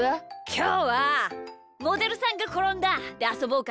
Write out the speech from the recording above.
きょうは「モデルさんがころんだ」であそぼうか。